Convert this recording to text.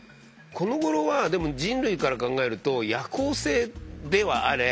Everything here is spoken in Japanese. このごろはでも人類から考えると夜行性ではあれ